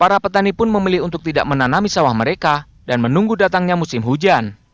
para petani pun memilih untuk tidak menanami sawah mereka dan menunggu datangnya musim hujan